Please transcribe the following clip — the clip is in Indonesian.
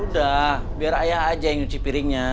udah biar ayah aja yang nyuci piringnya